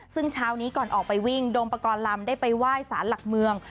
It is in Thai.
ซึ่งเช้านี้ก่อนออกไปวิ่งโดมปกรณ์ลำได้ไปไหว้สารหลักเมือง